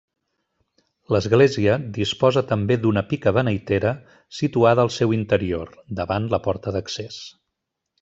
L'església disposa també d'una pica beneitera situada al seu interior, davant la porta d'accés.